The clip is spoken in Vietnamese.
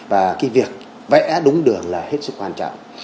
và cái việc vẽ đúng đường là hết sức quan trọng